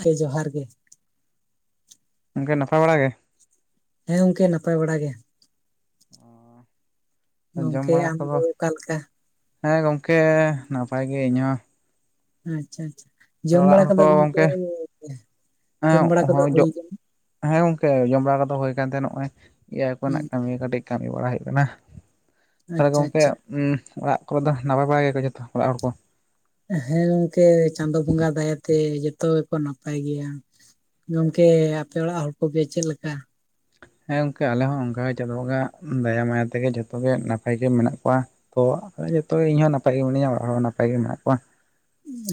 ᱠᱮ ᱡᱚᱸᱦᱟᱨ ᱜᱮ᱾ ᱜᱚᱝᱠᱮ ᱱᱟᱯᱟᱭ ᱵᱟᱲᱟ ᱜᱮ? ᱦᱮᱸ ᱜᱚᱢᱠᱮ ᱱᱟᱯᱟᱭ ᱵᱟᱲᱟ ᱜᱮ, ᱡᱚᱢ ᱜᱚᱝᱠᱮ ᱵᱟᱲᱟ ᱟᱢ ᱠᱚᱫᱚ ᱜᱮ ᱚᱠᱟ ᱞᱮᱠᱟ? ᱦᱮᱸ ᱜᱚᱢᱠᱮ ᱱᱟᱯᱟᱭ ᱜᱮ ᱤᱧᱚᱦ ᱾ ᱟᱪᱪᱷᱟ ᱟᱪᱪᱷᱟ ᱡᱚᱢ ᱵᱟᱲᱟ ᱠᱚᱫᱚ ᱜᱚᱝᱠᱮ ᱦᱮᱸ ᱦᱮᱸ ᱜᱚᱢᱠᱮ ᱡᱚᱢ ᱵᱟᱲᱟ ᱠᱟᱫᱚ ᱦᱳᱭ ᱠᱟᱱ ᱛᱟᱦᱮᱸᱱᱟ ᱱᱚᱸᱜᱼᱚᱭ᱾ ᱤᱭᱟᱹ ᱦᱮᱸ ᱠᱚᱨᱮᱱᱟᱜ ᱠᱟᱹᱢᱤ ᱠᱟᱹᱴᱤᱡ ᱠᱟᱹᱢᱤ ᱵᱟᱲᱟ ᱦᱩᱭᱩᱜ ᱠᱟᱱᱟ ᱛᱟᱦᱚᱞᱮ ᱟᱪᱪᱷᱟ ᱜᱚᱝᱠᱮ ᱟᱪᱪᱷᱟ ᱩᱸ ᱚᱲᱟᱜ ᱠᱚᱨᱮ ᱫᱚ ᱱᱟᱯᱟᱭ ᱵᱟᱲᱟ ᱜᱮᱭᱟ ᱠᱚ ᱡᱷᱚᱛᱚ ᱚᱲᱟᱜ ᱦᱚᱲ ᱠᱚ? ᱦᱮᱸ ᱜᱚᱢᱠᱮ ᱪᱟᱸᱫᱳ ᱵᱚᱸᱜᱟ ᱫᱟᱭᱟ ᱛᱮ ᱡᱚᱛᱚ ᱜᱮᱠᱚ ᱱᱟᱯᱟᱭ ᱜᱮᱭᱟ᱾ ᱜᱚᱢᱠᱮ ᱟᱯᱮ ᱚᱲᱟᱜ ᱦᱚᱲ ᱠᱚᱜᱮ ᱪᱮᱫ ᱞᱮᱠᱟ? ᱦᱮᱸ ᱜᱚᱢᱠᱮ ᱟᱞᱮ ᱦᱚᱸ ᱚᱱᱠᱟᱜᱮ ᱪᱟᱸᱫᱳ ᱵᱚᱸᱜᱟ ᱫᱟᱭᱟ ᱢᱟᱭᱟ ᱛᱮᱜᱮ ᱡᱷᱚᱛᱚ ᱜᱮ ᱱᱟᱯᱟᱭ ᱜᱮ ᱢᱮᱱᱟᱜ ᱠᱚᱣᱟ᱾ ᱛᱚ ᱡᱚᱛᱚ ᱜᱮ ᱤᱧᱦᱚᱸ ᱱᱟᱯᱟᱭ ᱜᱮ ᱢᱤᱱᱟᱹᱧᱟ ᱚᱲᱟᱜ ᱦᱚᱲ ᱦᱚᱸ ᱱᱟᱯᱟᱭ ᱜᱮ ᱢᱮᱱᱟᱜ ᱠᱚᱣᱟ᱾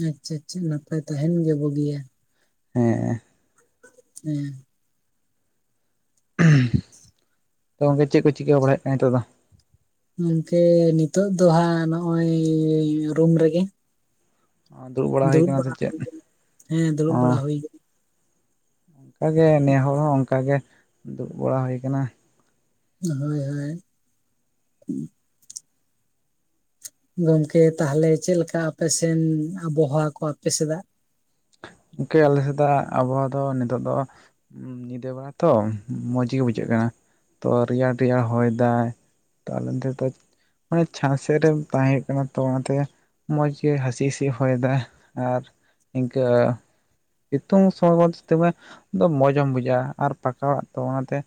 ᱟᱪᱪᱷᱟ ᱟᱪᱪᱷᱟ ᱱᱟᱯᱟᱭ ᱛᱟᱦᱮᱱ ᱜᱮ ᱵᱩᱜᱤᱭᱟ ᱾ ᱦᱮᱸ ᱦᱮᱸ ᱦᱮᱸ ᱾ ᱛᱚ ᱜᱚᱝᱠᱮ ᱪᱮᱫ ᱠᱚ ᱪᱤᱠᱟᱹ ᱵᱟᱲᱟᱭᱮᱫ ᱠᱟᱱ ᱦᱤᱛᱚᱜ ᱫᱚ? ᱜᱚᱝᱠᱮ ᱱᱤᱛᱚᱜ ᱫᱚ ᱦᱟᱸᱜ ᱱᱚ-ᱚᱭ ᱨᱩᱢ ᱨᱮᱜᱮ ᱾ ᱦᱩᱭ ᱫᱩᱲᱩᱵ ᱠᱟᱱᱟ ᱥᱮ ᱵᱟᱲᱟ ᱪᱮᱫ? ᱦᱩᱭ ᱠᱟᱱᱟ ᱦᱮᱸ ᱫᱩᱲᱩᱵ ᱵᱟᱲᱟ ᱦᱩᱭ ᱟᱠᱟᱱᱟ᱾ ᱚᱱᱠᱟ ᱜᱮ ᱱᱮ ᱦᱚᱲ ᱦᱚᱸ ᱚᱱᱠᱟ ᱜᱮ ᱫᱩᱲᱩᱵ ᱵᱟᱲᱟ ᱦᱩᱭ ᱠᱟᱱᱟ ᱾ [inaudible] ᱜᱚᱢᱠᱮ ᱛᱟᱦᱚᱞᱮ ᱪᱮᱫᱮ ᱞᱮᱠᱟ ᱟᱯᱮ ᱥᱮᱱ ᱟᱵᱚᱦᱟᱣᱟ ᱠᱚ ᱟᱯᱮ ᱥᱮᱫᱟᱜ? ᱜᱚᱝᱠᱮ ᱟᱞᱮ ᱥᱮᱫ ᱟᱜ ᱟᱵᱷᱚᱭᱟ ᱫᱚ ᱱᱤᱛᱚᱜ ᱫᱚ ᱧᱤᱫᱟᱹ ᱵᱮᱲᱟ ᱛᱚ ᱢᱚᱸᱡ ᱜᱮ ᱵᱩᱡᱷᱟᱹᱜ ᱠᱟᱱᱟ ᱾ ᱛᱚ ᱨᱮᱭᱟᱲ ᱨᱮᱭᱟᱲ ᱦᱚᱭ ᱫᱟᱭ ᱛᱚ ᱟᱞᱮ ᱱᱚᱛᱮ ᱢᱟᱱᱮ ᱪᱷᱟᱸᱛ ᱥᱮᱫ ᱨᱮᱢ ᱛᱟᱦᱮᱸᱜ ᱠᱟᱱᱟ ᱛᱚ ᱚᱱᱟᱛᱮ ᱢᱚᱸᱡ ᱜᱮ ᱦᱟᱹᱥᱤ ᱦᱟᱹᱤᱥ ᱦᱚᱭᱮᱫᱟᱭ ᱟᱨ ᱤᱱᱠᱟᱹ ᱥᱤᱛᱩᱝ ᱥᱚᱢᱚᱭ [unintelligible] ᱫᱚ ᱢᱚᱪᱮᱢ ᱵᱩᱡᱷᱟᱹᱜ-ᱟ ᱟᱨ ᱯᱟᱠᱟ ᱚᱲᱟᱜ ᱛᱚ ᱚᱱᱟᱛᱮ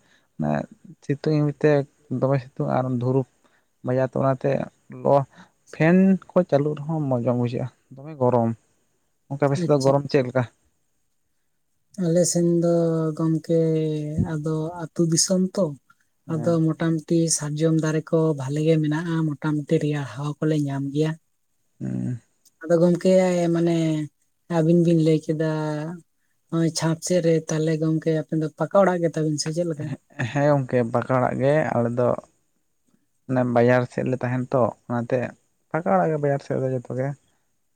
ᱚᱱᱮ [inaudible] ᱯᱷᱮᱱ ᱠᱚ ᱪᱟᱹᱞᱩᱜ ᱨᱮᱦᱚᱸ ᱢᱚᱸᱡᱽ ᱵᱟᱝ ᱵᱩᱡᱷᱟᱹᱜᱼᱟ, ᱫᱚᱢᱮ ᱜᱚᱨᱚᱢ ᱚᱱᱠᱟ ᱟᱯᱮ ᱥᱮᱫ ᱫᱚ ᱟᱪᱪᱷᱟ ᱜᱚᱨᱚᱢ ᱪᱮᱫ ᱞᱮᱠᱟ? ᱟᱞᱮ ᱥᱮᱱ ᱫᱚ ᱜᱚᱝᱠᱮ ᱟᱫᱚ ᱟᱛᱩ ᱫᱤᱥᱚᱢ ᱛᱚ, ᱟᱫᱚ ᱢᱚᱴᱟᱝ ᱛᱤ ᱥᱟᱨᱡᱚᱢ ᱫᱟᱨᱮ ᱠᱚ ᱵᱷᱟᱞᱮ ᱜᱮ ᱢᱮᱱᱟᱜ-ᱟ ᱢᱚᱴᱟᱢᱩᱴᱤ ᱨᱮᱭᱟᱲ ᱦᱟᱣᱟ ᱠᱚᱞᱮ ᱧᱟᱢ ᱜᱮᱭᱟ ᱾ [unintelligible] ᱟᱫᱚ ᱜᱚᱝᱠᱮ ᱢᱟᱱᱮ ᱟᱹᱵᱤᱱ ᱵᱤᱱ ᱞᱟᱹᱭ ᱠᱮᱫᱟ ᱱᱚᱜᱚᱭ ᱪᱷᱟᱫ ᱥᱮᱫ ᱨᱮ ᱛᱟᱦᱚᱞᱮ ᱜᱚᱝᱠᱮ ᱟᱯᱮ ᱫᱚ ᱯᱟᱠᱟ ᱚᱲᱟᱜ ᱜᱮᱛᱟ ᱵᱤᱱ ᱥᱮ ᱪᱮᱫ ᱞᱮᱠᱟ? ᱦᱮᱸ ᱜᱚᱝᱠᱮ ᱯᱟᱠᱟ ᱚᱲᱟᱜ ᱜᱮ ᱟᱞᱮ ᱫᱚ ᱚᱱᱮ ᱵᱟᱡᱟᱨ ᱥᱮᱫ ᱨᱮᱞᱮ ᱛᱟᱦᱮᱱᱟ ᱛᱚ ᱚᱱᱟᱛᱮ ᱯᱟᱠᱟ ᱚᱲᱟᱜ ᱜᱮ ᱵᱟᱡᱟᱨ ᱥᱮᱫ ᱫᱚ ᱡᱚᱛᱚ ᱜᱮ᱾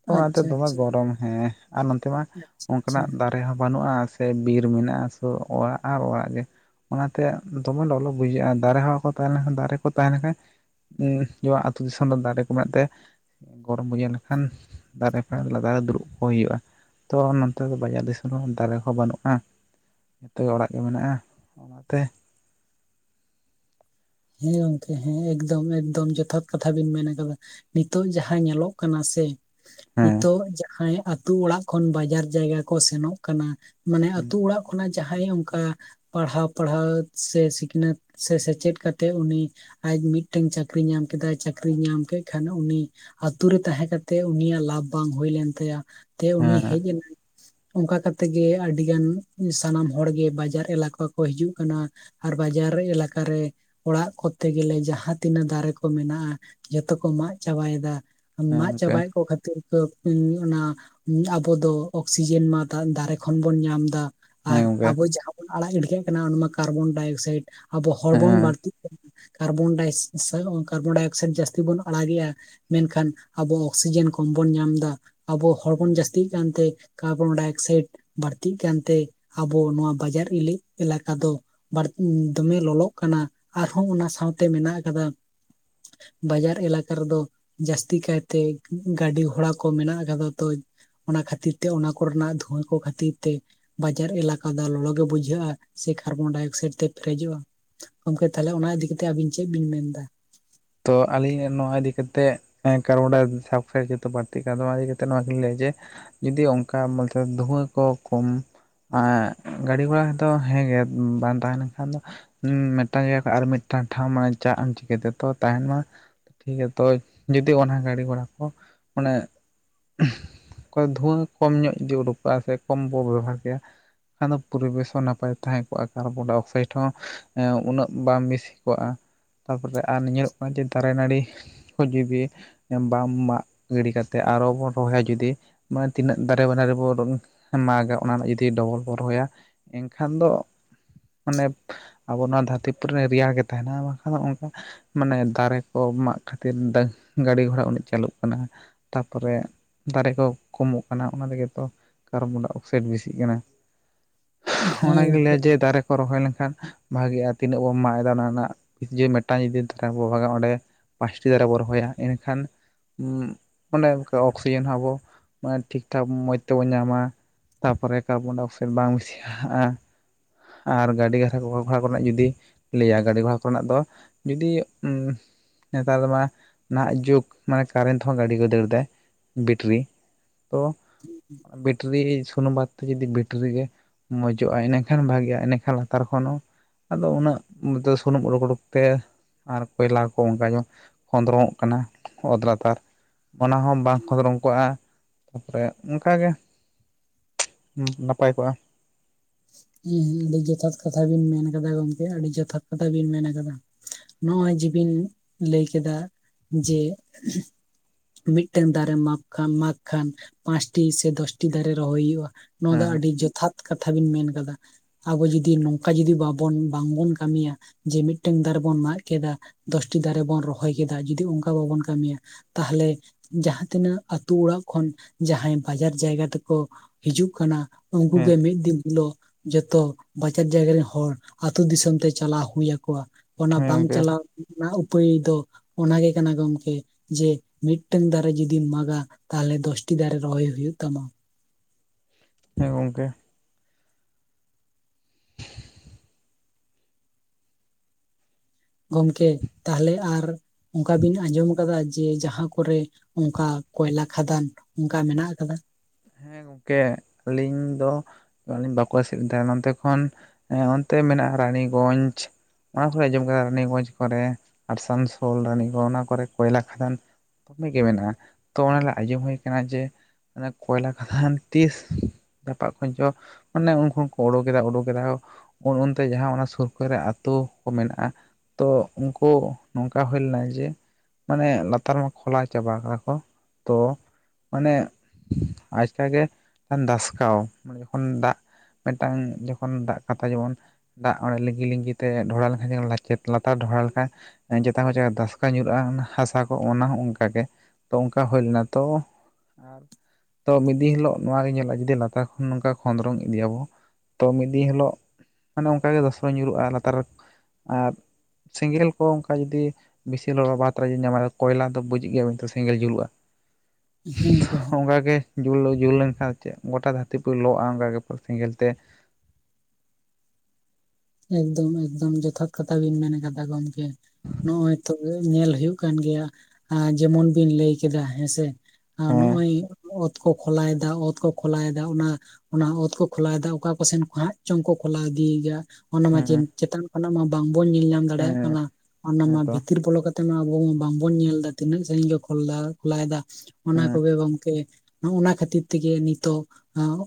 ᱛᱚ ᱚᱱᱟᱛᱮ ᱟᱪᱪᱷᱟ ᱫᱚᱢᱮ ᱟᱪᱪᱷᱟ ᱜᱚᱨᱚᱢ ᱦᱮᱸ ᱟᱨ ᱱᱚᱛᱮ ᱢᱟ ᱟᱪᱪᱷᱟ ᱟᱪᱪᱷᱟ ᱚᱱᱠᱟᱱᱟᱜ ᱫᱟ ᱨᱮᱦᱚᱸ ᱵᱟᱹᱱᱩᱜ-ᱟ ᱥᱮ ᱵᱤᱨ ᱢᱮᱱᱟᱜ-ᱟ ᱥᱚ ᱚᱲᱟᱜ ᱟᱨ ᱚᱲᱟᱜ ᱜᱮ ᱾ ᱚᱱᱟ ᱛᱮ ᱫᱚᱢᱮ ᱞᱚᱞᱚ ᱵᱩᱡᱷᱟᱹᱜ-ᱟ ᱫᱟᱨᱮ ᱦᱟᱣᱟ ᱠᱚ ᱛᱟᱦᱮᱸ ᱞᱮᱱᱠᱷᱟᱱ ᱫᱟᱨᱮ ᱠᱚ ᱛᱟᱦᱮᱱ ᱞᱮᱠᱷᱟᱱ ᱡᱮᱢᱚᱱ ᱟᱹᱛᱩ ᱫᱤᱥᱚᱢᱨᱮ ᱫᱟᱨᱮ ᱠᱚ ᱢᱮᱱᱟᱜ ᱛᱮ ᱜᱚᱨᱚᱢ ᱵᱩᱡᱟᱹᱣ ᱞᱮᱠᱷᱟᱱ ᱫᱟᱨᱮ ᱯᱷᱮᱰ ᱞᱟᱛᱟᱨ ᱨᱮ ᱫᱩᱲᱩᱵ ᱠᱚᱜ ᱦᱩᱭᱩᱜᱼᱟ᱾ ᱛᱚ ᱱᱚᱛᱮ ᱫᱚ ᱵᱟᱡᱟᱨ ᱫᱤᱥᱚᱢ ᱨᱮᱷᱚᱸ ᱫᱟᱨᱮ ᱦᱚᱸ ᱵᱟᱹᱱᱩᱜ-ᱟ᱾ ᱡᱚᱛᱚ ᱜᱮ ᱚᱲᱟᱜ ᱜᱮ ᱢᱮᱱᱟᱜ-ᱟ, ᱚᱱᱟᱛᱮ ᱦᱮᱸ ᱜᱚᱢᱠᱮ ᱦᱮᱸ ᱮᱠᱫᱚᱢ ᱮᱠᱫᱚᱢ ᱡᱚᱛᱷᱟᱛ ᱠᱟᱛᱷᱟ ᱵᱤᱱ ᱢᱮᱱ ᱟᱠᱟᱫᱟ ᱾ ᱱᱤᱛᱚᱜ ᱡᱟᱦᱟᱸ ᱧᱮᱞᱚᱜ ᱠᱟᱱᱟ ᱥᱮ ᱦᱮᱸ ᱱᱤᱛᱳᱜ ᱡᱟᱦᱟᱸᱭ ᱟᱹᱛᱩ ᱚᱲᱟᱜ ᱠᱷᱚᱱ ᱵᱟᱡᱟᱨ ᱡᱟᱭᱜᱟ ᱠᱚ ᱥᱮᱱᱚᱜ ᱠᱟᱱᱟ ᱢᱟᱱᱮ ᱦᱮᱸ ᱟᱹᱛᱩ ᱚᱲᱟᱜ ᱚᱱᱟ ᱡᱟᱦᱟᱸᱭ ᱚᱱᱠᱟ ᱯᱟᱲᱦᱟᱣ ᱯᱟᱲᱦᱟᱣ ᱥᱮ ᱥᱤᱠᱷᱱᱟᱹᱛ ᱥᱮ ᱥᱮᱪᱮᱫ ᱠᱟᱛᱮ ᱛᱮ ᱩᱱᱤ ᱟᱡ ᱢᱤᱫᱴᱟᱝ ᱪᱟᱹᱠᱨᱤᱭ ᱧᱟᱢ ᱠᱮᱫᱟᱭ, ᱪᱟᱹᱠᱨᱤᱭ ᱧᱟᱢ ᱠᱮᱫ ᱠᱷᱟᱱ ᱩᱱᱤ ᱟᱹᱛᱩ ᱨᱮ ᱛᱟᱦᱮᱸ ᱠᱟᱛᱮᱜ ᱩᱱᱤᱭᱟᱜ ᱞᱟᱵᱷ ᱵᱟᱝ ᱦᱩᱭ ᱞᱮᱱ ᱛᱟᱭᱟ ᱥᱮ ᱩᱱᱤ ᱦᱮᱸ ᱦᱮᱡ ᱮᱱᱟᱭ ᱚᱱᱠᱟ ᱠᱟᱛᱮᱜ ᱜᱮ ᱟᱹᱰᱤ ᱜᱟᱱ ᱥᱟᱱᱟᱢ ᱦᱚᱲᱜᱮ ᱵᱟᱡᱟᱨ ᱮᱞᱟᱠᱟ ᱠᱚ ᱦᱤᱡᱩᱜ ᱠᱟᱱᱟ᱾ ᱟᱨ ᱵᱟᱡᱟᱨ ᱮᱞᱟᱠᱟ ᱨᱮ ᱚᱲᱟᱜ ᱠᱚᱨᱛᱮ ᱜᱮᱞᱮ ᱡᱟᱦᱟᱸ ᱛᱤᱱᱟᱹᱜ ᱫᱟᱨᱮ ᱠᱚ ᱢᱮᱱᱟᱜ-ᱟ ᱡᱚᱛᱚ ᱠᱚ ᱢᱟᱜ ᱪᱟᱵᱟᱭᱮᱫᱟ᱾ ᱦᱮᱸ ᱢᱟᱜ ᱜᱚᱝᱠᱮ ᱪᱟᱵᱟᱭᱮᱫ ᱠᱚ ᱠᱷᱟᱹᱛᱤᱨ ᱚᱱᱟ ᱟᱵᱚ ᱫᱚ ᱚᱠᱥᱤᱡᱮᱱ ᱢᱟ ᱫᱟᱨᱮ ᱠᱷᱚᱱ ᱵᱚᱱ ᱧᱟᱢ ᱮᱫᱟ ᱦᱮᱸ ᱟᱨ ᱜᱚᱝᱠᱮ ᱟᱵᱚ ᱡᱟᱦᱟᱸ ᱵᱚᱱ ᱟᱲᱟᱜ ᱜᱤᱰᱤᱠᱟᱜ ᱠᱟᱱᱟ ᱚᱱᱟ ᱢᱟ ᱠᱟᱨᱵᱚᱱᱰᱟᱭ ᱚᱠᱥᱟᱭᱤᱰ ᱟᱵᱚ ᱦᱚᱲᱢᱚᱱ ᱦᱮᱸ ᱵᱟᱹᱲᱛᱤ ᱠᱟᱨᱵᱚᱱ ᱠᱟᱨᱵᱚᱱᱰᱟᱭ ᱚᱠᱥᱟᱭᱤᱰ ᱡᱟᱹᱥᱛᱤ ᱵᱚᱱ ᱟᱲᱟᱜᱮᱜ-ᱟ᱾ ᱢᱮᱱᱠᱷᱟᱱ ᱟᱵᱚ ᱚᱠᱥᱤᱡᱮᱱ ᱠᱚᱢ ᱵᱚᱱ ᱧᱟᱢ ᱮᱫᱟ ᱟᱵᱚ ᱦᱚᱲᱵᱚᱱ ᱡᱟᱹᱥᱛᱤ ᱠᱟᱱᱛᱮ ᱠᱟᱨᱵᱚᱱ ᱰᱟᱭ ᱚᱠᱥᱟᱭᱤᱰ ᱵᱟᱹᱲᱛᱤᱜ ᱠᱟᱱᱛᱮ ᱟᱵᱚ ᱱᱚᱣᱟ ᱵᱟᱡᱟᱨ ᱮᱞᱟᱠᱟ ᱫᱚ ᱵᱟᱹᱲᱛᱤ ᱫᱚᱢᱮ ᱞᱚᱞᱚᱜ ᱠᱟᱱᱟ ᱟᱨᱦᱚᱸ ᱚᱱᱟ ᱥᱟᱶᱛᱮ ᱢᱮᱱᱟᱜ ᱟᱠᱟᱫᱟ ᱵᱟᱡᱟᱨ ᱮᱞᱟᱠᱟ ᱨᱮᱫᱚ ᱡᱟᱹᱥᱛᱤ ᱠᱟᱭᱛᱮ ᱜᱟᱹᱰᱤ ᱜᱷᱚᱲᱟ ᱠᱚ ᱢᱮᱱᱟᱜ ᱟᱠᱟᱫᱟ ᱛᱚᱼᱼ ᱚᱱᱟ ᱠᱷᱟᱹᱛᱤᱨ ᱛᱮ ᱚᱱᱟ ᱠᱚᱨᱮᱱᱟᱜ ᱫᱷᱩᱣᱟᱹ ᱠᱚ ᱠᱷᱟᱹᱛᱤᱨ ᱛᱮ ᱵᱟᱡᱟᱨ ᱮᱞᱟᱠᱟ ᱫᱚ ᱞᱚᱞᱚ ᱜᱮ ᱵᱩᱡᱷᱟᱹᱜ-ᱟ ᱥᱮ ᱠᱟᱨᱵᱚᱱᱰᱟᱭ ᱚᱠᱥᱟᱭᱤᱰ ᱛᱮ ᱯᱮᱨᱮᱡᱚᱜ-ᱟ, ᱜᱚᱢᱠᱮ ᱛᱟᱦᱚᱞᱮ ᱚᱱᱟ ᱤᱫᱤ ᱠᱟᱛᱮ ᱟᱹᱵᱤᱱ ᱪᱮᱫ ᱵᱤᱱ ᱢᱮᱱ ᱮᱫᱟ? ᱛᱚ ᱟᱹᱞᱤᱧ ᱱᱚᱣᱟ ᱤᱫᱤ ᱠᱟᱛᱮ ᱦᱮᱸ ᱠᱟᱨᱵᱚᱱᱰᱟᱭ ᱥᱟᱞᱯᱷᱟ ᱡᱚᱛᱚ ᱵᱟᱲᱛᱤ ᱠᱟᱱ ᱛᱮ ᱱᱚᱣᱟᱧ ᱞᱟᱹᱭ ᱡᱮ ᱡᱩᱫᱤ ᱚᱱᱠᱟ ᱢᱚᱛᱞᱚᱵ ᱫᱷᱩᱣᱟᱹ ᱠᱚ ᱠᱚᱢ ᱜᱟᱹᱰᱤ ᱜᱷᱚᱲᱟ ᱦᱚᱸᱛᱚ ᱦᱮᱸᱜᱮ ᱵᱟᱝ ᱛᱟᱦᱮᱸ ᱞᱮᱱᱠᱷᱟᱱ ᱫᱚ ᱦᱩᱸ ᱢᱤᱫᱴᱟᱝ ᱤᱭᱟᱹ ᱠᱷᱚᱱᱚᱜ ᱟᱨ ᱢᱤᱫᱴᱟᱝ ᱴᱷᱟᱶ ᱢᱟᱱᱮ ᱪᱟᱜ ᱟᱢ ᱪᱤᱠᱟᱹᱛᱮ ᱛᱚ ᱛᱟᱦᱮᱱ ᱢᱟ ᱴᱷᱤᱠ ᱜᱮᱭᱟ ᱛᱚ ᱡᱩᱫᱤ ᱚᱱᱟ ᱜᱟᱹᱰᱤᱤ ᱜᱷᱚᱲᱟ ᱠᱚ ᱚᱱᱮ ᱚᱠᱚᱭ ᱫᱷᱩᱣᱟᱹ ᱠᱚᱢ ᱧᱚᱜ ᱚᱸᱰᱚᱠ ᱠᱚᱜ-ᱟ, ᱥᱮ ᱠᱚᱢ ᱵᱚᱱ ᱵᱮᱵᱚᱦᱟᱨ ᱠᱮᱭᱟ ᱟᱫᱚ ᱯᱚᱨᱤᱵᱮᱥ ᱦᱚᱸ ᱱᱟᱯᱟᱭ ᱛᱟᱦᱮᱸ ᱠᱚᱜ-ᱟ, ᱠᱟᱨᱵᱚᱱᱚᱠᱥᱟᱭᱤᱰ ᱦᱚᱸ ᱦᱮᱸ ᱩᱱᱟᱹᱜ ᱵᱟᱝ ᱵᱤᱥᱤ ᱠᱚᱜ-ᱟ᱾ ᱛᱟᱨᱯᱚᱨᱮ ᱟᱨ ᱧᱮᱞᱚᱜ ᱠᱟᱱᱟ ᱡᱮ ᱫᱟᱨᱮ ᱱᱟᱹᱲᱤ ᱡᱤᱵᱤ ᱵᱟᱝ ᱢᱟᱜ ᱜᱤᱰᱤ ᱠᱟᱛᱮ ᱟᱨᱦᱚᱸ ᱵᱚᱱ ᱨᱚᱦᱚᱭᱟ ᱡᱩᱚᱫᱤ ᱢᱟᱱᱮ ᱛᱤᱱᱟᱹᱜ ᱫᱟᱨᱮ ᱵᱟᱱᱟ ᱨᱮᱵᱚ ᱢᱟᱜᱼᱟ ᱚᱱᱟ ᱨᱮᱱᱟᱜ ᱡᱩᱫᱤ ᱰᱚᱵᱚᱞ ᱵᱚ ᱨᱚᱦᱚᱭᱟ ᱮᱱᱠᱷᱟᱱ ᱫᱚ ᱢᱟᱱᱮ ᱟᱵᱚ ᱱᱚᱣᱟ ᱫᱷᱟᱹᱨᱛᱤ ᱯᱩᱨᱤ ᱨᱮ, ᱨᱮᱭᱟᱲ ᱜᱮ ᱛᱟᱦᱮᱱᱟ ᱵᱟᱝᱠᱷᱟᱱ ᱫᱚ ᱚᱱᱠᱟ ᱢᱟᱱᱮ ᱫᱟᱨᱮ ᱠᱚ ᱢᱟᱜ ᱠᱷᱟᱹᱛᱤᱨ ᱜᱟᱹᱰᱤ ᱜᱷᱚᱲᱟ ᱩᱱᱟᱹᱜ ᱪᱟᱹᱞᱩᱜ ᱠᱟᱱᱟ ᱛᱟᱨᱯᱚᱨᱮ ᱫᱟᱨᱮ ᱠᱚ ᱠᱚᱢᱚᱜ ᱠᱟᱱᱟ ᱚᱱᱟ ᱞᱟᱹᱜᱤᱫ ᱛᱚ ᱠᱟᱨᱵᱚᱱᱰᱟᱭ ᱚᱠᱥᱟᱭᱤᱰ ᱵᱤᱥᱤᱜ ᱠᱟᱱᱟ᱾ ᱦᱮᱸ ᱚᱱᱟᱜᱮᱞᱤᱧ ᱜᱚᱢᱠᱮ ᱞᱟᱹᱭᱟ ᱡᱮ ᱫᱟᱨᱮ ᱠᱚ ᱨᱚᱦᱚᱭ ᱞᱮᱱᱠᱷᱟᱱ ᱵᱷᱟᱹᱜᱤᱜ-ᱟ᱾ ᱛᱤᱱᱟᱹᱜ ᱵᱚᱱ ᱢᱟᱜ ᱮᱫᱟ ᱚᱱᱟ ᱨᱮᱱᱟᱜ ᱡᱮ ᱢᱤᱫᱴᱟᱝ ᱡᱩᱫᱤ ᱟᱨᱵᱚ ᱵᱷᱟᱜᱟ ᱚᱸᱰᱮ ᱯᱟᱸᱪᱴᱤ ᱫᱟᱨᱮ ᱵᱚᱱ ᱨᱚᱦᱚᱭᱟ ᱮᱱᱠᱷᱟᱱ ᱦᱩᱸ ᱚᱱᱮ ᱚᱱᱠᱟ ᱚᱠᱥᱤᱡᱮᱱ ᱦᱚᱸ ᱟᱵᱚ ᱴᱷᱤᱠ ᱴᱷᱟᱠ ᱢᱚᱸᱡᱽ ᱛᱮᱵᱚ ᱧᱟᱢᱟ᱾ ᱛᱟᱨᱯᱚᱨᱮ ᱠᱟᱨᱵᱚᱱᱰᱟᱭ ᱚᱠᱥᱟᱭᱤᱰ ᱵᱟᱝ ᱵᱤᱥᱤᱜ-ᱟ᱾ ᱟᱨ ᱜᱟᱹᱰᱤ ᱜᱷᱚᱲᱟ ᱠᱚᱨᱮᱱᱟᱜ ᱡᱩᱫᱤ ᱞᱟᱹᱭᱟ ᱜᱟᱹᱰᱤ ᱜᱷᱚᱲᱟ ᱠᱚᱨᱮᱱᱟᱜ ᱫᱚ ᱡᱩᱫᱤ ᱩᱸᱻ ᱱᱮᱛᱟᱨ ᱢᱟ ᱱᱟᱦᱟᱜ ᱡᱩᱜᱽ ᱢᱟᱱᱮ ᱠᱟᱨᱮᱱᱴ ᱦᱚᱸ ᱜᱟᱹᱰᱤ ᱜᱮ ᱫᱟᱹᱲ ᱮᱫᱟᱭ ᱵᱤᱴᱨᱤ ᱛᱚ ᱵᱤᱴᱨᱤ ᱥᱩᱱᱩᱢ ᱵᱟᱫ ᱡᱩᱫᱤ ᱵᱤᱴᱨᱤ ᱜᱮ ᱢᱚᱸᱡᱚᱜ-ᱟ᱾ ᱤᱱᱟᱠᱷᱟᱱ ᱵᱷᱟᱹᱜᱤᱜ-ᱟ᱾ ᱤᱱᱟᱠᱷᱟᱱ ᱞᱟᱛᱟᱨ ᱠᱷᱚᱱ ᱦᱚᱸ ᱟᱫᱚ ᱩᱱᱟᱹᱜ ᱫᱚ ᱥᱩᱱᱩᱢ ᱚᱰᱚᱠ - ᱚᱰᱚᱠ ᱛᱮ ᱟᱨ ᱠᱚᱭᱞᱟ ᱠᱚ ᱚᱱᱠᱟ ᱧᱚᱝ ᱠᱷᱚᱸᱫᱽᱨᱚᱝᱚᱜ ᱠᱟᱱᱟ ᱚᱛ ᱞᱟᱛᱟᱨ ᱚᱱᱟ ᱦᱚᱸ ᱵᱟᱝ ᱠᱷᱚᱸᱫᱽᱨᱚᱢ ᱠᱚᱜ-ᱟ᱾ ᱛᱟᱨᱯᱚᱨᱮ ᱚᱱᱠᱟᱜᱮ ᱱᱟᱯᱟᱭ ᱠᱚᱜ-ᱟ᱾ ᱦᱩᱸ ᱦᱩᱸ ᱟᱹᱰᱤ ᱡᱚᱛᱷᱟᱛ ᱠᱟᱛᱷᱟ ᱵᱤᱱ ᱢᱮᱱ ᱠᱟᱫᱟ ᱜᱚᱝᱠᱮ, ᱟᱹᱰᱤ ᱡᱚᱛᱷᱟᱛ ᱠᱟᱛᱷᱟ ᱵᱤᱱ ᱢᱮᱱ ᱠᱟᱫᱟ᱾ ᱱᱚᱜᱼᱚᱭ ᱡᱤᱵᱤᱧ ᱞᱟᱹᱭ ᱠᱮᱫᱟ ᱡᱮ ᱢᱤᱫᱴᱟᱝ ᱫᱟᱨᱮᱢ ᱢᱟᱜ ᱢᱟᱜ ᱠᱷᱟᱱ ᱯᱟᱸᱪᱴᱤ ᱥᱮ ᱫᱚᱥᱴᱤ ᱫᱟᱨᱮ ᱨᱚᱦᱚᱭ ᱦᱩᱭᱩᱜᱼᱟ᱾ ᱱᱚᱣᱟ ᱫᱚ ᱦᱮᱸ ᱟᱹᱰᱤ ᱡᱚᱛᱷᱟᱛ ᱠᱟᱛᱷᱟ ᱵᱤᱱ ᱢᱮᱱ ᱟᱠᱟᱫᱟ᱾ ᱟᱵᱚ ᱡᱩᱫᱤ ᱱᱚᱝᱠᱟ ᱡᱩᱫᱤ ᱵᱟᱵᱚᱱ ᱵᱟᱝᱵᱚᱱ ᱠᱟᱹᱢᱤᱭᱟ ᱡᱮ ᱢᱤᱫᱴᱮᱱ ᱫᱟᱨᱮ ᱵᱚᱱ ᱢᱟᱜ ᱠᱮᱫᱟ ᱫᱚᱥᱴᱤ ᱫᱟᱨᱮ ᱵᱚᱱ ᱨᱚᱦᱚᱭ ᱠᱮᱫᱟ᱾ ᱡᱩᱫᱤ ᱚᱱᱠᱟ ᱵᱟᱵᱚᱱ ᱠᱟᱹᱢᱤᱭᱟ᱾ ᱛᱟᱦᱚᱞᱮ ᱡᱟᱦᱟᱸ ᱛᱤᱱᱟᱹᱜ ᱟᱹᱛᱩ ᱚᱲᱟᱜ ᱠᱷᱚᱱ ᱡᱟᱦᱟᱸᱭ ᱵᱟᱡᱟᱨ ᱡᱟᱭᱜᱟ ᱛᱮᱠᱚ ᱦᱤᱡᱩᱜ ᱠᱟᱱᱟ ᱩᱱᱠᱩᱜ ᱦᱮᱸ ᱜᱮ ᱢᱤᱫ ᱫᱤᱱ ᱦᱤᱞᱳᱜ ᱡᱚᱛᱚ ᱵᱟᱡᱟᱨ ᱡᱟᱭᱜᱟ ᱨᱮᱱ ᱦᱚᱲ᱾ ᱟᱹᱛᱩ ᱫᱤᱥᱚᱢ ᱛᱮ ᱪᱟᱞᱟᱣ ᱦᱩᱭ ᱟᱠᱚᱣᱟ᱾ ᱚᱱᱟ ᱦᱮᱸ ᱵᱟᱝ ᱜᱚᱝᱠᱮ ᱪᱟᱞᱟᱣ ᱚᱱᱟ ᱩᱯᱟᱹᱭ ᱫᱚ ᱚᱱᱟᱜᱮ ᱠᱟᱱᱟ ᱜᱚᱝᱠᱮ ᱡᱮ ᱢᱤᱫᱴᱟᱹᱝ ᱫᱟᱨᱮ ᱡᱩᱫᱤᱢ ᱢᱟᱜᱟ᱾ ᱛᱟᱦᱚᱞᱮ ᱫᱚᱥᱴᱤ ᱫᱟᱨᱮ ᱨᱚᱦᱚᱭ ᱦᱩᱭᱩᱜ ᱛᱟᱢᱟ᱾ ᱦᱮᱸ ᱜᱚᱝᱠᱮ ᱜᱚᱝᱠᱮ ᱛᱟᱦᱚᱞᱮ ᱟᱨ ᱚᱱᱠᱟ ᱵᱤᱱ ᱟᱸᱡᱚᱢ ᱟᱠᱟᱫᱟ᱾ ᱡᱮ ᱡᱟᱦᱟᱸ ᱠᱚᱨᱮ ᱚᱱᱠᱟ ᱠᱚᱭᱞᱟ ᱠᱷᱟᱫᱟᱱ ᱾ ᱚᱱᱠᱟ ᱢᱮᱱᱟᱜ ᱟᱠᱟᱫᱟ? ᱦᱮᱸ ᱜᱚᱝᱠᱮ ᱟᱹᱞᱤᱧ ᱫᱚ ᱛᱚᱞᱤᱧ ᱵᱟᱠᱚ ᱮᱥᱮᱫ ᱫᱟ ᱱᱚᱛᱮ ᱠᱷᱚᱱ ᱚᱸ ᱚᱱᱛᱮ ᱢᱮᱱᱟᱜᱼᱟ᱾ ᱨᱟᱱᱤᱜᱚᱸᱡᱽ ᱚᱱᱟ ᱠᱚᱜᱤᱧ ᱟᱸᱡᱚᱢ ᱠᱟᱫᱟ᱾ ᱨᱟᱱᱤᱜᱚᱡᱽ ᱠᱚᱨᱮ ᱟᱲᱥᱟᱱᱥᱳᱞ ᱨᱟᱱᱤᱜᱚᱡᱽ ᱚᱱᱟ ᱠᱚᱨᱮ ᱠᱚᱭᱞᱟ ᱠᱷᱟᱫᱟᱱ ᱠᱷᱚᱱᱤ ᱜᱮ ᱢᱮᱱᱟᱜᱼᱟ᱾ ᱛᱚ ᱚᱱᱟᱞᱮ ᱟᱸᱡᱚᱢ ᱦᱩᱭ ᱠᱟᱱᱟ ᱡᱮ ᱚᱱᱟ ᱠᱚᱭᱞᱟ ᱠᱷᱫᱟᱱ ᱛᱤᱥ ᱫᱷᱟᱯᱟᱜ ᱠᱷᱚᱱ ᱪᱚ, ᱚᱱᱮ ᱩᱱᱠᱩ ᱦᱚᱸᱠᱚ ᱳᱰᱳᱠᱫᱟ ᱳᱰᱳᱠᱫᱟ ᱠᱚ ᱩᱱᱚᱱᱛᱮ ᱡᱟᱦᱟᱸ ᱚᱱᱟ ᱥᱩᱨ ᱠᱚᱨᱮ ᱟᱹᱛᱩ ᱠᱚ ᱢᱮᱱᱟᱜᱼᱟ᱾ ᱛᱚ ᱩᱱᱠᱩ ᱱᱚᱝᱠᱟ ᱦᱩᱭ ᱞᱮᱱᱟ ᱡᱮ ᱢᱟᱱᱮ ᱞᱟᱛᱟᱨ ᱢᱟ ᱠᱷᱚᱞᱟᱣ ᱪᱟᱵᱟ ᱠᱟᱫᱟ ᱠᱚ ᱛᱚ ᱢᱟᱱᱮᱼᱼᱼ ᱟᱪᱠᱟ ᱜᱮ ᱫᱷᱟᱥᱠᱟᱣ ᱢᱟᱱᱮ ᱡᱚᱠᱷᱚᱱ ᱫᱟᱜ ᱢᱤᱫᱴᱟᱝ ᱡᱚᱠᱷᱚᱱ ᱫᱟᱜ ᱠᱟᱛᱷᱟ ᱡᱮᱢᱚᱱ ᱫᱟᱜ ᱚᱲᱮ ᱞᱤᱸᱜᱤ - ᱞᱤᱸᱜᱤ ᱛᱮ ᱰᱷᱚᱲᱟ ᱞᱮᱱᱠᱷᱟᱱ ᱡᱮᱢᱱ ᱫᱮᱜ ᱞᱟᱛᱟᱨ ᱰᱷᱚᱲᱟ ᱞᱮᱱᱠᱷᱟᱱ [unintelligible] ᱫᱷᱟᱸᱥᱠᱟᱣ ᱧᱩᱨᱩᱜᱼᱟ ᱦᱟᱥᱟ ᱠᱚ᱾ ᱚᱱᱟ ᱦᱚᱸ ᱚᱱᱠᱟᱜᱮ ᱛᱚ ᱚᱱᱠᱟ ᱦᱩᱭ ᱞᱮᱱᱟ ᱛᱚ ᱟᱨ ᱛᱚ ᱢᱤᱫ ᱫᱤᱱ ᱦᱤᱞᱳᱜ ᱱᱚᱭᱟᱜᱮ ᱧᱮᱞᱚᱜᱼᱟ ᱾ᱡᱩᱫᱤ ᱞᱟᱛᱟᱨ ᱠᱷᱚᱱ ᱱᱚᱝᱠᱟ ᱠᱷᱚᱸᱫᱽᱨᱚᱱ ᱤᱫᱤᱭᱟᱵᱚ ᱛᱚ ᱢᱤᱫ ᱫᱤᱱ ᱦᱤᱞᱳᱜ ᱢᱟᱱᱮ ᱚᱱᱠᱟᱜᱮ ᱫᱷᱟᱥᱠᱟᱣ ᱧᱩᱨᱦᱩᱜᱼᱟ ᱞᱟᱛᱟᱨᱮ ᱟᱨ ᱥᱮᱸᱜᱮᱞ ᱠᱚ ᱚᱱᱠᱟ ᱡᱩᱫᱤ ᱵᱮᱥᱤ ᱞᱚᱞᱚ ᱵᱟᱛᱨᱮ ᱡᱩᱫᱤ ᱧᱟᱢᱟᱭ ᱠᱚᱭᱞᱟ ᱛᱚ ᱵᱩᱡᱽ ᱜᱮᱭᱟᱵᱤᱱ ᱛᱚ ᱥᱮᱸᱜᱮᱞ ᱡᱩᱞᱩᱜᱼᱟ ᱾ ᱦᱩᱸ ᱜᱚᱢᱠᱮ ᱦᱩᱸ, ᱚᱱᱠᱟᱜᱮ ᱡᱩᱞ ᱡᱩᱞ ᱞᱮᱱᱠᱷᱟᱱ ᱟᱫᱚ ᱪᱮᱜ ᱜᱚᱴᱟ ᱫᱷᱟᱹᱨᱛᱤ ᱯᱩᱨᱤ ᱞᱚᱜᱼᱟ ᱚᱱᱠᱟᱜᱮ ᱥᱮᱸᱜᱮᱞ ᱛᱮ᱾ ᱮᱠᱫᱚᱢ ᱮᱠᱫᱚᱢ ᱡᱚᱛᱷᱟᱛ ᱠᱟᱛᱷᱟ ᱵᱤᱱ ᱢᱮᱱ ᱠᱟᱫᱟ ᱜᱚᱢᱠᱮ, ᱱᱚᱜ-ᱚᱭ ᱛᱚᱵᱮ ᱧᱮᱞ ᱦᱳᱭᱜ ᱠᱟᱱ ᱜᱮᱭᱟ ᱟᱨ ᱡᱮᱢᱚᱱ ᱵᱤᱱ ᱞᱟᱹᱭ ᱠᱮᱫᱟ ᱦᱮᱸᱥᱮ ᱟᱨ ᱦᱮᱸ ᱱᱚᱜᱼᱚᱭ ᱚᱛ ᱠᱚ ᱠᱷᱚᱞᱟᱭᱮᱫᱟ ᱚᱛ ᱠᱚ ᱠᱷᱚᱞᱟᱭᱮᱫᱟ ᱚᱱᱟ ᱚᱱᱟ ᱦᱚᱸ ᱚᱛ ᱠᱚ ᱠᱷᱚᱞᱟᱣᱮᱫᱟ ᱚᱠᱟ ᱠᱚᱥᱮᱱ ᱠᱷᱚᱱᱟᱜ ᱪᱚᱝ ᱠᱚ ᱠᱷᱚᱞᱟᱣ ᱤᱫᱤᱭᱮᱫᱟ ᱚᱱᱟ ᱢᱟ ᱡᱮ ᱦᱮᱸ ᱪᱮᱛᱟᱱ ᱠᱷᱚᱱᱟᱜ ᱢᱟ ᱵᱟᱝ ᱵᱚᱱ ᱧᱮᱞ ᱧᱟᱢ ᱫᱟᱲᱮᱭᱟᱜ ᱦᱮᱸ ᱠᱟᱱᱟ ᱚᱱᱟ ᱦᱮᱸ ᱢᱟ ᱛᱚ ᱵᱷᱤᱛᱤᱨ ᱵᱚᱞᱚ ᱠᱟᱛᱮ ᱛᱮᱢᱟ ᱟᱵᱚ ᱢᱟ ᱵᱟᱝᱵᱚᱱ ᱧᱮᱞ ᱮᱫᱟ ᱛᱤᱱᱟᱹᱜ ᱥᱟᱺᱜᱤᱧ ᱠᱚ ᱠᱷᱚᱞᱟᱭᱮᱫᱟ ᱚᱱᱟ ᱦᱮᱸ ᱠᱚᱜᱮ ᱜᱚᱢᱠᱮ, ᱦᱚᱜ-ᱱᱟ ᱠᱷᱟᱹᱛᱤᱨ ᱛᱮᱜᱮ ᱱᱤᱛᱚᱜ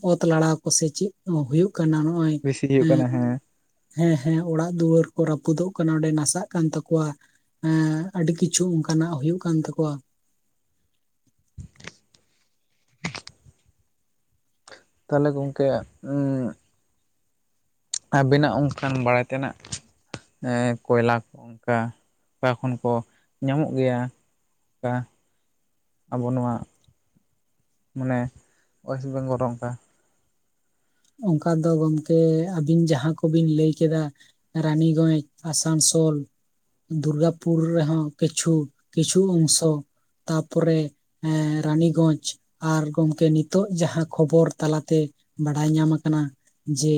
ᱚᱛ ᱞᱟᱲᱟᱣ ᱠᱚᱥᱮ ᱪᱮᱜ ᱠᱚ ᱦᱳᱭᱳᱜ ᱠᱟᱱᱟ ᱱᱚᱜᱼᱚᱭ ᱵᱮᱥᱤ ᱦᱩᱭᱩᱜ ᱮᱸ ᱠᱟᱱᱟ ᱦᱮᱸ ᱦᱮᱸ ᱦᱮᱸ ᱚᱲᱟᱜ ᱫᱩᱣᱟᱹᱨ ᱠᱚ ᱨᱟᱹᱯᱩᱫᱚᱜ ᱠᱟᱱᱟ ᱚᱸᱰᱮ ᱱᱟᱥᱟᱜ ᱠᱟᱱ ᱛᱟᱠᱚᱣᱟ, ᱮᱸ ᱟᱹᱰᱤ ᱠᱤᱪᱷᱩ ᱚᱱᱠᱟᱱᱟᱜ ᱦᱩᱭᱩᱜ ᱠᱟᱱ ᱛᱟᱠᱚᱣᱟ᱾ ᱛᱟᱦᱚᱞᱮ ᱜᱚᱢᱠᱮ ᱩᱸ ᱟᱵᱤᱱᱟᱜ ᱚᱱᱠᱟᱱ ᱵᱟᱲᱟᱭ ᱛᱮᱱᱟᱜ ᱮᱸ ᱠᱚᱭᱞᱟ ᱠᱚ ᱚᱱᱠᱟ ᱚᱠᱟ ᱠᱷᱚᱱ ᱠᱚ ᱧᱟᱢᱚᱜ ᱜᱮᱭᱟ ᱚᱱᱠᱟ ᱟᱵᱚ ᱱᱚᱣᱟ ᱢᱟᱱᱮ ᱳᱭᱮᱥ ᱵᱮᱝᱜᱚᱞ ᱨᱮ ᱚᱱᱠᱟ ᱾ ᱚᱱᱠᱟ ᱫᱚ ᱜᱚᱢᱠᱮ ᱟᱵᱤᱱ ᱡᱟᱦᱟ ᱠᱚᱵᱤᱱ ᱞᱟᱹᱭ ᱠᱮᱫᱟ, ᱨᱟᱱᱤᱜᱚᱡᱽ, ᱟᱥᱟᱱᱥᱳᱞ ᱫᱩᱨᱜᱟᱯᱩᱨ ᱨᱮᱦᱚᱸ ᱠᱤᱪᱷᱩ ᱠᱤᱪᱷᱩ ᱚᱝᱥᱚ ᱛᱟᱯᱚᱨᱮ ᱮᱸ ᱨᱟᱱᱤᱜᱚᱡᱽ ᱟᱨ ᱜᱚᱢᱠᱮ ᱱᱤᱛᱚᱜ ᱡᱟᱦᱟᱸ ᱠᱷᱚᱵᱚᱨ ᱛᱟᱞᱟᱛᱮ, ᱵᱟᱲᱟᱭ ᱧᱟᱢ ᱟᱠᱟᱱᱟ ᱡᱮ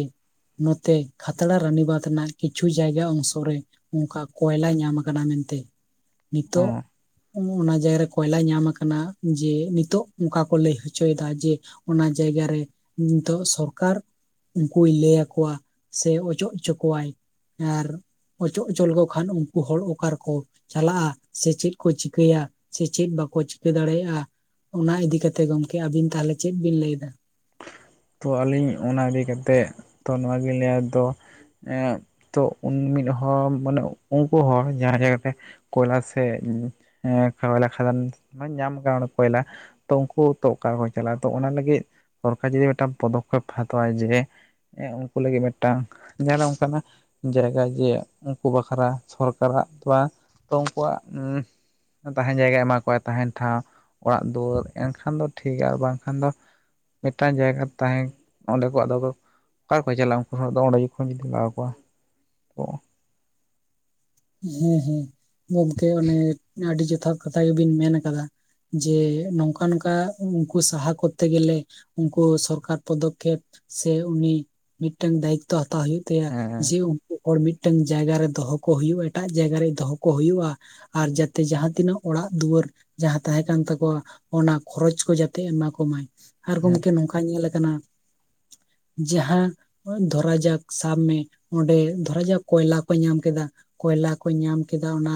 ᱱᱚᱛᱮ ᱠᱷᱟᱛᱲᱟ, ᱨᱟᱱᱤᱵᱟᱫᱽ ᱨᱮᱱᱟᱜ ᱠᱤᱪᱷᱩ ᱡᱟᱭᱜᱟ ᱚᱝᱥᱚ ᱨᱮᱼᱼ ᱚᱱᱠᱟ ᱠᱚᱭᱞᱟ ᱧᱟᱢ ᱠᱟᱱᱟ ᱢᱮᱱᱛᱮ ᱱᱤᱛᱚᱜ᱾ ᱚᱱᱟ ᱡᱟᱭᱜᱟᱨ ᱨᱮ ᱠᱚᱭᱞᱟ ᱧᱟᱢ ᱟᱠᱟᱱᱟ ᱡᱮ ᱱᱤᱛᱚᱜ ᱚᱱᱠᱟ ᱠᱚ ᱞᱟᱹᱭ ᱦᱚᱪᱚᱭᱮᱫᱟ ᱡᱮ, ᱚᱱᱟ ᱡᱟᱭᱜᱟ ᱨᱮ ᱱᱤᱛᱚᱜ ᱥᱚᱨᱠᱟᱨᱼᱼ ᱩᱱᱠᱩᱭ ᱞᱟᱹᱭ ᱟᱠᱚᱣᱟ ᱥᱮ ᱚᱪᱚᱜ ᱦᱚᱪᱚ ᱠᱚᱣᱟᱭ ᱟᱨ ᱚᱪᱚᱜ ᱦᱚᱪᱚ ᱞᱮᱠᱚ ᱠᱷᱟᱱ ᱩᱱᱠᱩ ᱦᱚᱲ ᱚᱠᱟ ᱨᱮᱠᱚ ᱪᱟᱞᱟᱜᱼᱟ ᱥᱮ ᱪᱮᱫ ᱠᱚ ᱪᱤᱠᱟᱹᱭᱟ ᱥᱮ ᱪᱮᱫ ᱵᱟᱠᱚ ᱪᱤᱠᱟᱹ ᱫᱟᱲᱮᱭᱟᱜᱼᱟ᱾ ᱚᱱᱟ ᱤᱫᱤ‌ ᱠᱟᱛᱮᱜ ᱜᱚᱢᱠᱮ ᱟᱵᱤᱱ ᱛᱟᱦᱚᱞᱮ ᱪᱮᱫ ᱵᱤᱱ ᱞᱟᱹᱭ ᱮᱫᱟ? ᱛᱚ ᱟᱹᱞᱤᱧ ᱚᱱᱟ ᱤᱫᱤ ᱠᱟᱛᱮ ᱛᱚ ᱱᱚᱣᱟᱜᱤᱧ ᱞᱟᱹᱭᱟ ᱛᱚ ᱛᱚ ᱩᱱ ᱢᱤᱫ ᱦᱚᱲ ᱢᱟᱱᱮ ᱩᱱᱠᱩ ᱦᱚᱲ ᱡᱟᱦᱟᱸ ᱡᱟᱭᱜᱟᱯᱮ, [unintelligible] ᱠᱚᱭᱞᱟ ᱥᱮ ᱮᱸ ᱠᱷᱟᱣᱞᱟ ᱠᱷᱟᱫᱟᱱ ᱢᱟᱱᱮ ᱧᱟᱢ [unintelligible] ᱠᱚᱭᱞᱟ, ᱛᱚ ᱩᱱᱠᱩ ᱛᱚ ᱚᱠᱟ ᱠᱚ ᱪᱟᱞᱟᱜᱼᱟ ᱛᱚ ᱚᱱᱟ ᱞᱟᱹᱜᱤᱫ ᱥᱚᱨᱠᱟᱨ ᱡᱩᱫᱤ ᱢᱤᱫᱴᱟᱱ ᱯᱚᱫᱚᱠᱷᱮᱯ ᱦᱟᱛᱟᱣᱟ ᱡᱮ ᱦᱮᱸ ᱩᱱᱠᱩ ᱞᱟᱹᱜᱤᱫ ᱢᱤᱫᱴᱟᱝ ᱧᱮᱞᱟ ᱚᱱᱠᱟᱱᱟᱜ ᱡᱟᱭᱜᱟ ᱡᱮ ᱩᱱᱠᱩ ᱵᱟᱠᱷᱨᱟ ᱥᱚᱨᱠᱟᱨᱟᱜ ᱵᱟ ᱩᱱᱠᱩᱣᱟᱜ ᱩᱸ ᱛᱟᱦᱮᱱ ᱡᱟᱭᱜᱟᱭ ᱮᱢᱟ ᱠᱚᱣᱟᱭ ᱛᱟᱦᱮᱱ ᱴᱷᱟᱶ ᱚᱲᱟᱜ ᱫᱩᱣᱟᱹᱨ ᱮᱱᱠᱷᱟᱱ ᱫᱚ ᱴᱷᱤᱠ ᱜᱮᱭᱟ, ᱵᱟᱝᱠᱷᱟᱱ ᱫᱚ ᱢᱤᱫᱴᱟᱝ ᱡᱟᱭᱜᱟ ᱛᱟᱦᱮᱸ ᱚᱸᱰᱮ ᱠᱚ ᱟᱫᱚ ᱚᱠᱟ ᱠᱚ ᱪᱟᱞᱟᱜᱼᱟ ᱩᱱᱠᱩ ᱫᱚ, ᱚᱸᱰᱮ ᱠᱷᱚᱱ ᱡᱩᱫᱤ ᱞᱟᱜᱟᱣ ᱠᱚᱣᱟ᱾ ᱚ [unintelligible] ᱦᱮᱸ ᱦᱮᱸ ᱜᱚᱢᱠᱮ ᱚᱱᱮ ᱟᱹᱰᱤ ᱡᱚᱛᱷᱟᱛ ᱠᱟᱛᱷᱟ ᱜᱮᱵᱤᱱ ᱢᱮᱱ ᱟᱠᱟᱫᱟ᱾ ᱡᱮ ᱱᱚᱝᱠᱟ ᱱᱚᱝᱠᱟ ᱩᱱᱠᱩ ᱥᱟᱦᱟ ᱠᱚᱨᱛᱮ ᱜᱮᱞᱮ, ᱩᱱᱠᱩ ᱥᱚᱨᱠᱟᱨ ᱯᱚᱫᱚᱠᱷᱮᱯ ᱥᱮ ᱩᱱᱤ ᱢᱤᱫᱴᱟᱝ ᱫᱟᱭᱤᱛᱛᱚ ᱦᱟᱛᱟᱣ ᱦᱩᱭᱩᱜ ᱛᱟ ᱛᱟᱭᱟ ᱦᱮᱸ ᱡᱮ ᱩᱱᱠᱩ ᱦᱚᱲ ᱢᱤᱫᱴᱟᱱ ᱡᱟᱭᱜᱟ ᱨᱮ ᱫᱚᱦᱚ ᱠᱚ ᱦᱩᱭᱩᱜᱼᱟ, ᱮᱴᱟᱜ ᱡᱟᱭᱜᱟ ᱨᱮ ᱫᱚᱦᱚ ᱠᱚ ᱦᱩᱭᱩᱜᱼᱟ᱾ ᱟᱨ ᱦᱮᱸ ᱡᱟᱛᱮ ᱡᱟᱦᱟᱸ ᱛᱤᱱᱟᱹᱜ ᱚᱲᱟᱜ ᱫᱩᱣᱟᱹᱨ, ᱡᱟᱦᱟᱸ ᱛᱟᱦᱮᱸ ᱠᱟᱱ ᱛᱟᱠᱚᱣᱟ ᱚᱱᱟ ᱠᱷᱚᱨᱚᱪ ᱠᱚ ᱡᱟᱛᱮ ᱮᱢᱟ ᱠᱚᱢᱟᱭ, ᱟᱨ ᱦᱮᱸ ᱜᱚᱢᱠᱮ ᱱᱚᱝᱠᱟ ᱧᱮᱞ ᱠᱟᱱᱟ ᱡᱟᱦᱟᱸ ᱫᱷᱚᱨᱟ ᱡᱟᱠ ᱥᱟᱵ ᱢᱮ ᱚᱸᱰᱮ ᱫᱷᱚᱨᱟ ᱡᱟᱠ ᱠᱚᱭᱞᱟ ᱠᱚ ᱧᱟᱢ ᱠᱮᱫᱟ᱾ ᱠᱚᱭᱞᱟ ᱠᱚ ᱧᱟᱢ ᱠᱮᱫᱟ ᱚᱱᱟ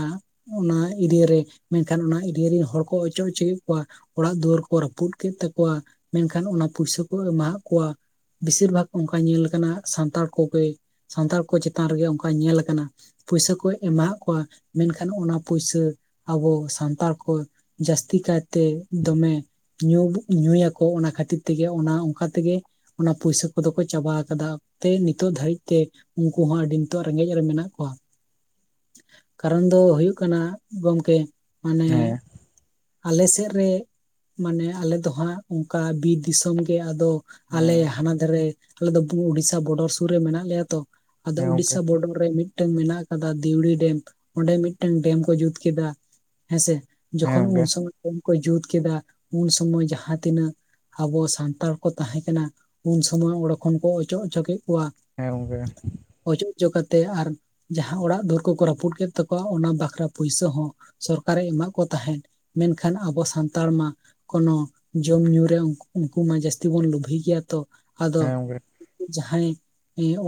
ᱚᱱᱟ ᱮᱨᱤᱭᱟ ᱨᱮ, ᱢᱮᱱᱠᱷᱟᱱ ᱚᱱᱟ ᱮᱨᱤᱭᱟ ᱨᱮᱱ ᱦᱚᱲ ᱠᱚ ᱚᱪᱚ ᱦᱚᱪᱚᱭᱮᱫ ᱠᱚᱣᱟ᱾ ᱚᱲᱟᱜ ᱫᱩᱣᱟᱹᱨ ᱠᱚ ᱨᱟᱹᱯᱩᱫ ᱠᱮᱫ ᱛᱟᱠᱚᱣᱟ, ᱢᱮᱱᱠᱷᱟᱱ ᱚᱱᱟ ᱯᱩᱭᱥᱟᱹ ᱠᱚ ᱮᱢᱢᱟᱟᱜ ᱠᱚᱣᱟ᱾ ᱵᱮᱥᱤᱨ ᱵᱷᱟᱜᱽ ᱚᱱᱠᱟ ᱧᱮᱞ ᱟᱠᱟᱱᱟ, ᱥᱟᱱᱛᱟᱲ ᱠᱚᱜᱮ ᱥᱟᱱᱛᱟᱲ ᱠᱚ ᱪᱮᱛᱟᱱ ᱨᱮᱜᱮ ᱚᱱᱠᱟ ᱧᱮᱞ ᱟᱠᱟᱱᱟ᱾ ᱯᱩᱭᱥᱟᱹ ᱠᱚ ᱮᱢᱢᱟᱟᱜ ᱠᱚᱣᱟ, ᱢᱮᱱᱠᱷᱟᱱ ᱚᱱᱟ ᱯᱩᱭᱥᱟᱹ᱾ ᱟᱵᱚ ᱥᱟᱱᱛᱟᱲ ᱠᱚ ᱡᱟᱹᱥᱛᱤ ᱠᱟᱭᱛᱮ ᱫᱚᱢᱮ ᱧᱩ ᱧᱩᱭᱟᱠᱚ ᱚᱱᱟ ᱠᱷᱟᱹᱛᱤᱨ ᱛᱮᱜᱮ ᱚᱱᱟ ᱚᱱᱠᱟ ᱛᱮᱜᱮ ᱚᱱᱟ ᱯᱩᱭᱥᱟᱹ ᱠᱚᱫᱚ ᱠᱚ ᱪᱟᱵᱟ ᱠᱟᱫᱟ ᱛᱮ, ᱱᱤᱛᱚᱜ ᱫᱷᱟᱹᱨᱤᱡ ᱛᱮ᱾ ᱩᱱᱠᱩ ᱦᱚᱸ ᱟᱹᱰᱤ ᱱᱤᱛᱚᱜ ᱨᱮᱸᱜᱮᱡ ᱨᱮ ᱢᱮᱱᱟᱜ ᱠᱚᱣᱟ᱾ ᱠᱟᱨᱚᱱ ᱫᱚ ᱦᱩᱭᱩᱜ ᱠᱟᱱᱟ ᱜᱚᱢᱠᱮ ᱢᱟᱱᱮ ᱟᱞᱮ ᱥᱮᱫ ᱨᱮ ᱢᱟᱱᱮ ᱟᱞᱮ ᱫᱚ ᱦᱟᱸᱜ ᱚᱱᱠᱟ ᱵᱤᱨ ᱫᱤᱥᱚᱢ ᱜᱮ ᱟᱫᱚ᱾ ᱟᱞᱮ ᱦᱮᱸ ᱦᱟᱱᱟ ᱫᱷᱟᱨᱮ ᱟᱞᱮ ᱫᱚ ᱩᱲᱤᱥᱥᱟ ᱵᱚᱰᱟᱨ ᱥᱩᱨ ᱨᱮ ᱢᱮᱱᱟᱜ ᱞᱮᱭᱟ ᱛᱚ᱾ ᱟᱫᱚ ᱦᱮᱸ ᱜᱚᱝᱠᱮ ᱩᱲᱤᱥᱥᱟ ᱵᱳᱰᱚᱨ ᱨᱮ ᱢᱤᱫᱴᱝ ᱢᱮᱱᱟᱜ ᱠᱟᱫᱟ ᱫᱤᱣᱲᱤ ᱰᱮᱢ ᱚᱸᱰᱮ ᱢᱤᱫᱴᱟᱝ ᱰᱮᱢ ᱠᱚ ᱡᱩᱛ ᱠᱮᱫᱟ, ᱦᱮᱸᱥᱮ ᱦᱮᱸ ᱡᱚᱠᱷᱚᱱ ᱜᱚᱝᱠᱮ ᱩᱱ ᱥᱚᱢᱚᱭ ᱩᱱ ᱠᱚ ᱡᱩᱛ ᱠᱮᱫᱟ ᱩᱱ ᱥᱚᱢᱚᱭ ᱡᱟᱦᱟᱸ ᱛᱤᱱᱟᱹᱜ ᱟᱵᱚ ᱥᱟᱱᱛᱟᱲ ᱠᱚ ᱛᱟᱦᱮᱸ ᱠᱟᱱᱟ ᱩᱱ ᱥᱚᱢᱚᱭ ᱚᱸᱰᱮ ᱠᱷᱚᱱ ᱠᱚ ᱚᱪᱚᱜ ᱚᱪᱚ ᱠᱮᱫ ᱠᱚᱣᱟ᱾ ᱦᱮᱸ ᱜᱚᱝᱠᱮ ᱚᱡᱚᱜ ᱦᱚᱪᱚ ᱠᱟᱛᱮᱮᱫ ᱟᱨ ᱡᱟᱦᱟᱸ ᱚᱲᱟᱜ ᱫᱩᱣᱟᱹᱨ ᱠᱚᱠᱚ ᱨᱟᱹᱯᱩᱫ ᱠᱮᱫ ᱛᱟᱠᱚᱣᱟ, ᱚᱱᱟ ᱵᱟᱠᱷᱨᱟ ᱯᱩᱭᱥᱟᱹ ᱦᱚᱸ ᱥᱚᱨᱠᱟᱨᱮ ᱮᱢᱟᱟᱜ ᱠᱚ ᱛᱟᱦᱮᱸᱫ᱾ ᱢᱮᱱᱠᱷᱟᱱ ᱟᱵᱚ ᱥᱟᱱᱛᱟᱲ ᱢᱟ ᱠᱳᱱᱳ ᱡᱚᱢ ᱧᱩ ᱨᱮ ᱩᱱᱠᱩ ᱢᱟ ᱡᱟᱹᱥᱛᱤ ᱵᱚᱱ ᱞᱳᱵᱷᱮ ᱜᱮᱭᱟ ᱛᱚ᱾ ᱟᱫᱚ ᱦᱮᱸ ᱜᱚᱝᱠᱮ ᱡᱟᱦᱟᱸᱭ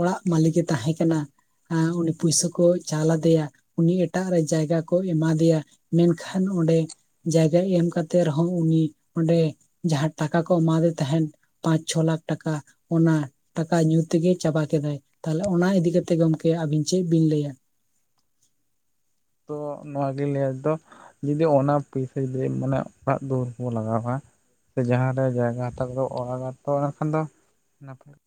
ᱚᱲᱟᱜ ᱢᱟᱹᱟᱞᱤᱠᱮ ᱛᱟᱦᱮᱸ ᱠᱟᱱᱟ, ᱩᱱᱤᱼᱼ ᱯᱩᱭᱥᱟᱹ ᱠᱚ ᱪᱟᱞ ᱟᱫᱮᱭᱟ ᱩᱱᱤ ᱮᱴᱟᱜ ᱨᱮ ᱡᱟᱭᱜᱟ ᱠᱚ ᱮᱢᱟ ᱫᱮᱭᱟ ᱢᱮᱱᱠᱷᱟᱱ ᱚᱸᱰᱮ᱾ ᱡᱟᱭᱜᱟ ᱮᱢ ᱠᱟᱛᱮᱜ ᱨᱮᱦᱚᱸ ᱩᱱᱤ ᱚᱸᱰᱮ ᱡᱟᱦᱟᱸ ᱴᱟᱠᱟ ᱠᱚ ᱮᱢᱟᱫᱮ ᱛᱟᱦᱮᱸᱱ ᱯᱟᱸᱪ ᱪᱷᱚ ᱞᱟᱠᱷ ᱴᱟᱠᱟ ᱚᱱᱟ ᱴᱟᱠᱟ ᱧᱩ ᱛᱮᱜᱮ ᱪᱟᱵᱟ ᱠᱮᱫᱟᱭ ᱛᱟᱦᱞᱮ ᱚᱱᱟ ᱤᱫᱤ ᱠᱟᱛᱮᱜ ᱜᱚᱢᱠᱮ ᱟᱵᱤᱱ ᱪᱮᱫ ᱵᱤᱱ ᱞᱟᱹᱭᱟ? ᱛᱚ ᱱᱚᱣᱟ ᱜᱮ ᱞᱟᱹᱭ ᱫᱚ ᱡᱩᱫᱤ ᱚᱱᱟ ᱯᱚᱭᱥᱟ ᱡᱩᱫᱤ ᱢᱟᱱᱮ ᱚᱲᱟᱜ ᱫᱩᱣᱟᱹᱨᱵᱚᱱ ᱞᱟᱜᱟᱣᱟ ᱥᱮ ᱡᱟᱦᱟᱸ ᱨᱮ ᱡᱟᱭᱜᱟ ᱦᱟᱛᱟᱣ ᱠᱟᱛᱮ ᱚᱲᱟᱜᱟ ᱛᱚ ᱮᱱᱠᱷᱟᱱ ᱫᱚ ᱱᱟᱯᱟᱭᱼᱟ᱾